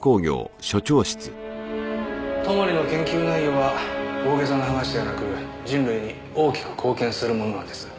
泊の研究内容は大げさな話ではなく人類に大きく貢献するものなんです。